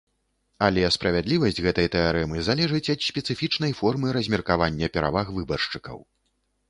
Але справядлівасць гэтай тэарэмы залежыць ад спецыфічнай формы размеркавання пераваг выбаршчыкаў.